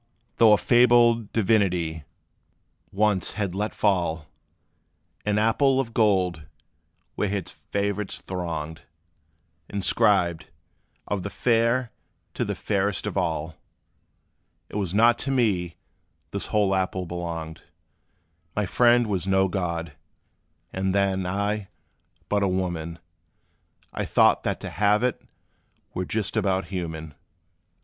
Though a fabled divinity once had let fall An apple of gold, where his favorites thronged, Inscribed, "Of the fair, to the fairest of all!" It was not to me this whole apple belonged: My friend was no god and then I, but a woman; I thought that to halve it were just about human.